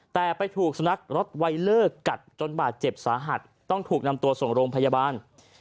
แต่ไปถูกสุนัขรถไวเลอร์กัดจนบาดเจ็บสาหัสต้องถูกนำตัวส่งโรงพยาบาล